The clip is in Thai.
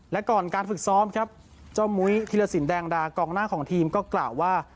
และก่อนการฝึกซ้อมครับเจ้ามุ้ยธิรสินแดงดากองหน้าของทีมก็กล่าวว่า